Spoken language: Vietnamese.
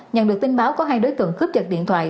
nhận được tin báo có hai đối tượng cướp giật điện thoại